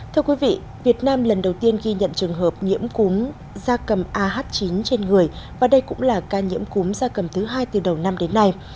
thưa quý vị việt nam lần đầu tiên ghi nhận trường hợp nhiễm cúm da cầm ah chín trên người và đây cũng là ca nhiễm cúm gia cầm thứ hai từ đầu năm đến nay